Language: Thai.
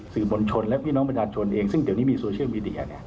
สื่อมวลชนและพี่น้องประชาชนเองซึ่งเดี๋ยวนี้มีโซเชียลมีเดีย